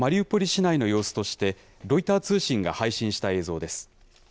市内の様子として、ロイター通信が配信した映像です。